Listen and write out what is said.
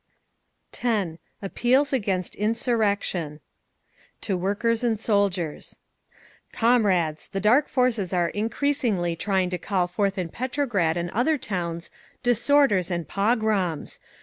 10. APPEALS AGAINST INSURRECTION To Workers and Soldiers "Comrades! The Dark Forces are increasingly trying to call forth in Petrograd and other towns DISORDERS AND _Pogroms.